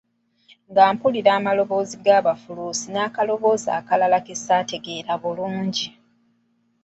Nga mpulira amaloboozi g'abafuluusi n'akaloboozi akalala ke saategeera bulungi.